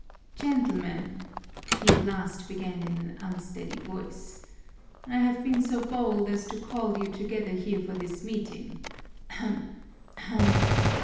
"Gentlemen," he at last began in an unsteady voice, "I have been so bold as to call you together here for this meeting ahem! Ahem!